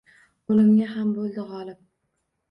Oʼlimga ham boʼldi gʼolib